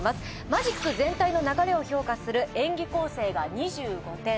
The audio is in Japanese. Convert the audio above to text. マジック全体の流れを評価する演技構成が２５点。